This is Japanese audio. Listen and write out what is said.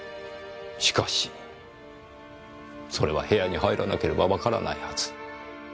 しかしそれは部屋に入らなければわからないはず。